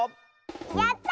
やった！